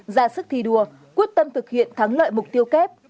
ra sức thi đua quyết tâm thực hiện thắng lợi mục tiêu kép